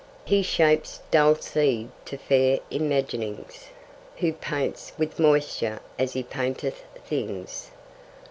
He shapes dull seed to fair imaginings; Who paints with moisture as He painteth things?